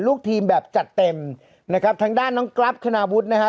ลูกทีมแบบจัดเต็มนะครับทางด้านน้องกรัฟคณาวุฒินะฮะ